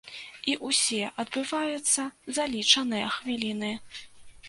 І ўсе адбываецца за лічаныя хвіліны.